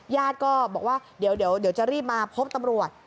ญาติก็บอกว่าเดี๋ยวจะรีบมาพบตำรวจ